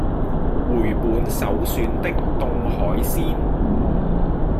回本首選的凍海鮮